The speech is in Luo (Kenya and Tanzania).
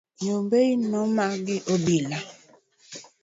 Nyombei no maki gi obila.